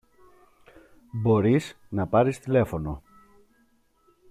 μπορείς να πάρεις τηλέφωνο